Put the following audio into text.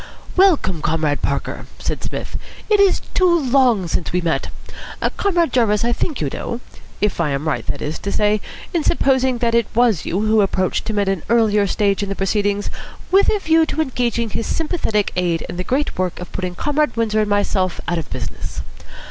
"Welcome, Comrade Parker," said Psmith. "It is too long since we met. Comrade Jarvis I think you know. If I am right, that is to say, in supposing that it was you who approached him at an earlier stage in the proceedings with a view to engaging his sympathetic aid in the great work of putting Comrade Windsor and myself out of business.